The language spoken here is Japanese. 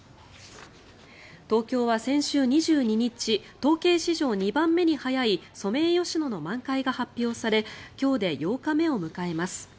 東京は先週２２日統計史上２番目に早いソメイヨシノの満開が発表され今日で８日目を迎えます。